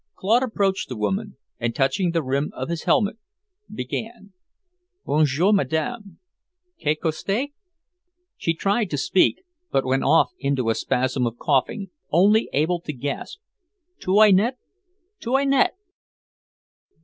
Claude approached the woman, and touching the rim of his helmet, began: "Bonjour, Madame. Qu'est que c'est?" She tried to speak, but went off into a spasm of coughing, only able to gasp, "'Toinette, 'Toinette!"